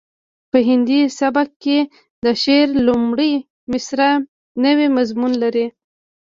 په هندي سبک کې د شعر لومړۍ مسره نوی مضمون لري